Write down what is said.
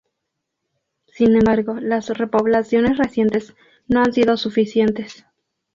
Sin embargo, las repoblaciones recientes no han sido suficientes.